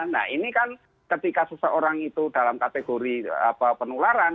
nah ini kan ketika seseorang itu dalam kategori penularan